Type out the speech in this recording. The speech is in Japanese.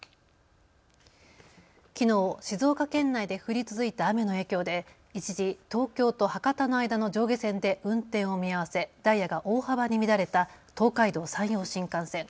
きのう静岡県内で降り続いた雨の影響で一時、東京と博多の間の上下線で運転を見合わせダイヤが大幅に乱れた東海道、山陽新幹線。